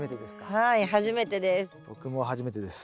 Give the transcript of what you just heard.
はい初めてです。